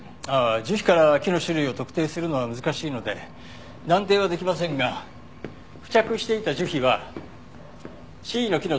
樹皮から木の種類を特定するのは難しいので断定はできませんが付着していた樹皮はシイの木の特徴を有しています。